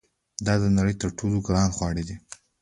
دا د نړۍ تر ټولو ګران خواړه دي.